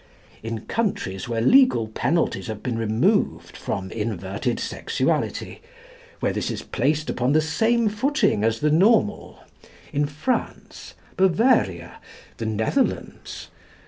In countries where legal penalties have been removed from inverted sexuality, where this is placed upon the same footing as the normal in France, Bavaria (?), the Netherlands